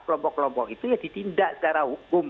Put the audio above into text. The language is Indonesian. kelompok kelompok itu ya ditindak secara hukum